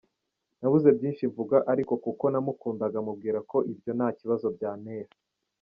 Nabuze byinshi mvuga ariko kuko namukundaga mubwira ko ibyo nta kibazo byantera.